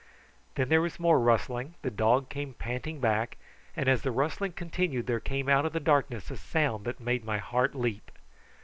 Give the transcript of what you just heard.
Then there was more rustling, the dog came panting back; and as the rustling continued there came out of the darkness a sound that made my heart leap.